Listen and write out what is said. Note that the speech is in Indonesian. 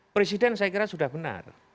presiden saya kira sudah benar